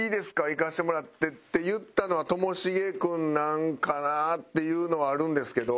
行かせてもらって」って言ったのはともしげ君なんかなっていうのはあるんですけど。